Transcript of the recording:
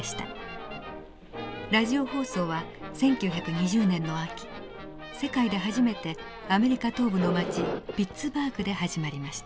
ラジオ放送は１９２０年の秋世界で初めてアメリカ東部の町ピッツバーグで始まりました。